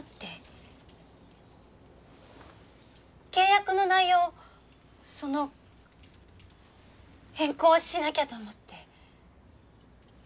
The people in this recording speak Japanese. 契約の内容をその変更しなきゃと思って。